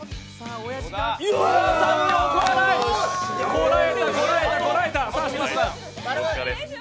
こらえた、こらえた、こらえた！